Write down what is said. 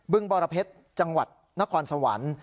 ึงบรเพชรจังหวัดนครสวรรค์